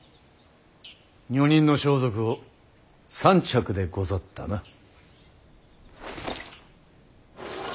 女人の装束を３着でござったな。